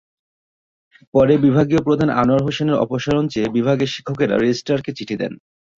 পরে বিভাগীয় প্রধান আনোয়ার হোসেনের অপসারণ চেয়ে বিভাগের শিক্ষকেরা রেজিস্ট্রারকে চিঠি দেন।